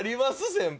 先輩。